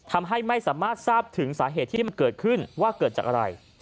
ทำให้ไม่สามารถทราบถึงสาเหตุที่มันเกิดขึ้นว่าเกิดจากอะไร